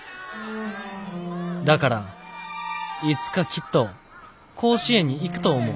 だからいつかきっと甲子園に行くと思う」。